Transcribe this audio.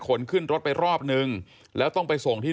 ขอบคุณครับและขอบคุณครับ